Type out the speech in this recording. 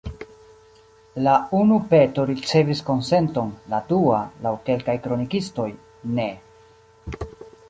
La unu peto ricevis konsenton, la dua, laŭ kelkaj kronikistoj, ne.